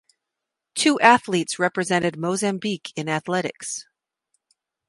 Two athletes represented Mozambique in athletics.